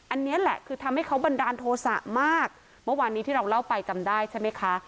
อันนี้แหละคือทำให้เขาบันดาลโทษะมากเมื่อวานนี้ที่เราเล่าไปจำได้ใช่ไหมคะ